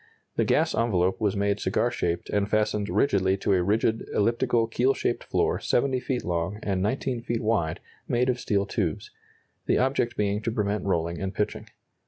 The gas envelope was made cigar shaped and fastened rigidly to a rigid elliptical keel shaped floor 70 feet long and 19 feet wide, made of steel tubes the object being to prevent rolling and pitching.